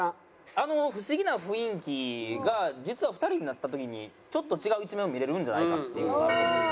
あの不思議な雰囲気が実は２人になった時にちょっと違う一面を見れるんじゃないかっていうのがあるんですね。